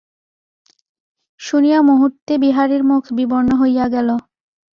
শুনিয়া মুহূর্তে বিহারীর মুখ বিবর্ণ হইয়া গেল।